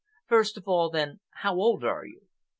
"First of all, then, how old are you?"